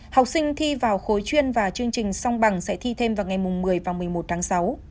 học sinh thi vào khối chuyên và chương trình song bằng sẽ thi thêm vào ngày một mươi và một mươi một tháng sáu